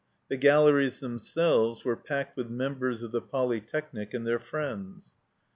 The galleries themselves were packed with members of the Polytechnic and their friends.